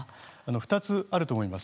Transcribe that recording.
２つあると思います。